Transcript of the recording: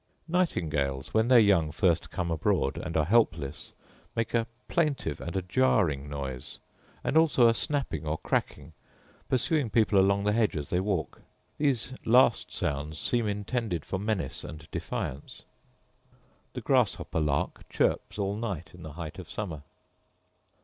Nightingales, when their young first come abroad, and are helpless, make a plaintive and a jarring noise: and also a snapping or cracking, pursuing people along the hedges as they walk: these last sounds seem intended for menace and defiance. The grasshopper lark chirps all night in the height of summer.